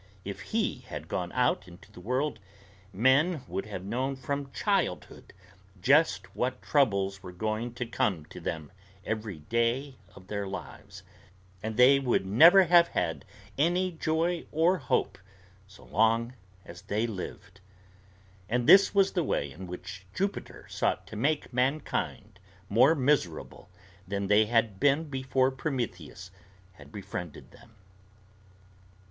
If he had gone out into the world, men would have known from childhood just what troubles were going to come to them every day of their lives, and they would never have had any joy or hope so long as they lived. And this was the way in which Jupiter sought to make mankind more miserable than they had been before Prometheus had befriended them.